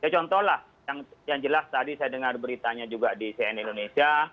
contohlah yang jelas tadi saya dengar beritanya juga di cn indonesia